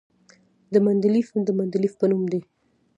د مندلیفیم د مندلیف په نوم دی.